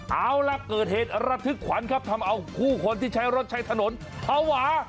เอาล่ะเกิดเหตุระทึกขวัญครับทำเอาผู้คนที่ใช้รถใช้ถนนภาวะ